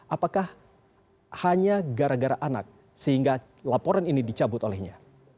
apakah hanya gara gara anak sehingga laporan ini dicabut olehnya